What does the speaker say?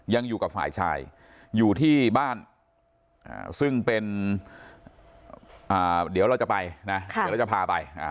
ยังอยู่กับฝ่ายชายอยู่ที่บ้านซึ่งเป็นเดี๋ยวเราจะไปนะเดี๋ยวเราจะพาไป